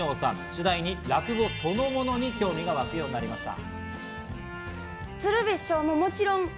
次第に落語そのものに興味がわくようになりました。